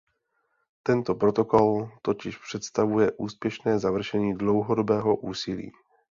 Tento protokol totiž představuje úspěšné završení dlouhodobého úsilí.